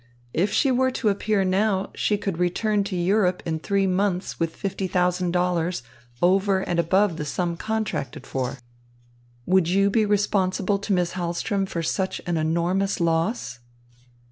If she were to appear now, she could return to Europe in three months with fifty thousand dollars over and above the sum contracted for. Would you be responsible to Miss Hahlström for such an enormous loss?"